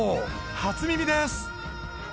初耳です